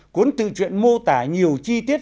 cuốn tự truyện mô tả nhiều chi tiết